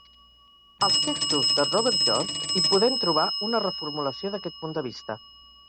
Als textos de Robert George hi podem trobar una reformulació d'aquest punt de vista.